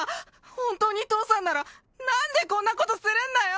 本当に父さんなら何でこんなことするんだよ！